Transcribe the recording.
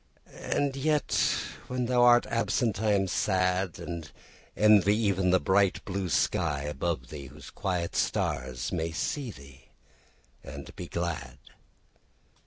And yet when thou art absent I am sad; And envy even the bright blue sky above thee, Whose quiet stars may see thee and be glad.